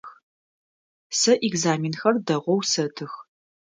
Сэ экзаменхэр дэгъоу сэтых.